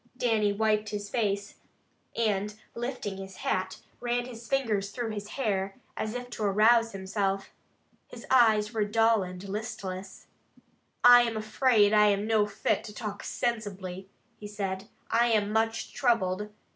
Dannie wiped his face, and lifting his hat, ran his fingers through his hair, as if to arouse himself. His eyes were dull and listless. "I am afraid I am no fit to talk sensibly," he said. "I am much troubled.